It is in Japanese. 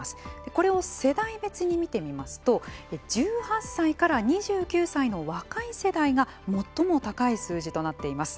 これを世代別に見てみますと１８歳から２９歳の若い世代が最も高い数字となっています。